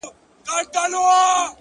د گلو كر نه دى چي څوك يې پــټ كړي;